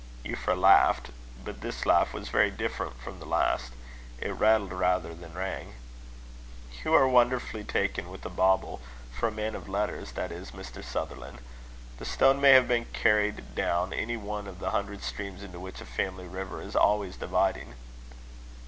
Euphra laughed; but this laugh was very different from the last. It rattled rather than rang. "You are wonderfully taken with a bauble for a man of letters, that is, Mr. Sutherland. The stone may have been carried down any one of the hundred streams into which a family river is always dividing."